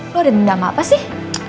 lo ada dendam apa apa sih